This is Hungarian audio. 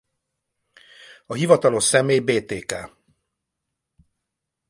A hivatalos személy Btk.